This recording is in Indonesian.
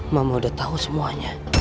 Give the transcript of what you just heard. mama udah tau semuanya